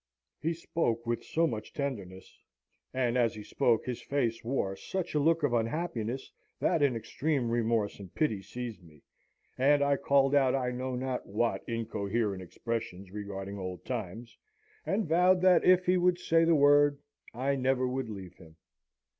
"He spoke with so much tenderness, and as he spoke his face wore such a look of unhappiness, that an extreme remorse and pity seized me, and I called out I know not what incoherent expressions regarding old times, and vowed that if he would say the word, I never would leave him.